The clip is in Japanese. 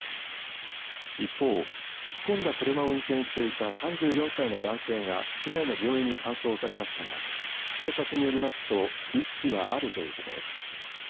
一方、突っ込んだ車を運転していた３４歳の男性が市内の病院に搬送されましたが警察によりますと意識はあるということです。